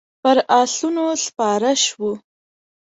پر آسونو سپاره شوو.